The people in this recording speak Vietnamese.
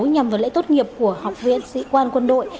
nhằm vào lễ tốt nghiệp của học viện sĩ quan quân đội